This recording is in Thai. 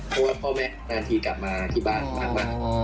เพราะว่าพ่อแม่นานทีกลับมาที่บ้านนานมาก